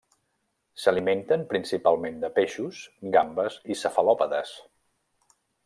S'alimenten principalment de peixos, gambes i cefalòpodes.